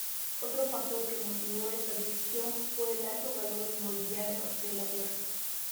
Otro factor que motivó esta decisión fue el alto valor inmobiliario de la tierra.